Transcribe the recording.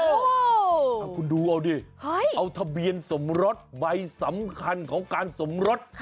เอาคุณดูเอาดิเอาทะเบียนสมรสใบสำคัญของการสมรส